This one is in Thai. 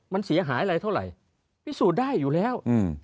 มันเสียหายอะไรเท่าไหร่พิสูจน์ได้อยู่แล้ว